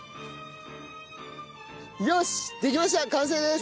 よしできました完成です。